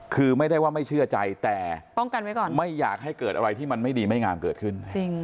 คือไม่ได้ว่าไม่เชื่อใจแต่ไม่อยากให้เกิดอะไรที่มันไม่ดีไม่งามเกิดขึ้น